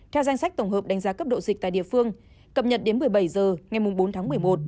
theo danh sách tổng hợp đánh giá cấp độ dịch tại địa phương cập nhật đến một mươi bảy h ngày bốn tháng một mươi một